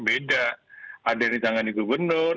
beda ada yang ditangani gubernur